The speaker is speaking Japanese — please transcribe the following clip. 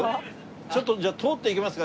ちょっとじゃあ通っていけますか？